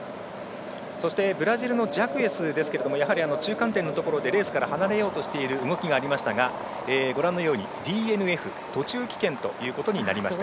そしてブラジルのジャクエスですけれどもやはり中間点のところでレースから離れようとしている動きがありましたが、ＤＮＦで途中棄権ということになりました。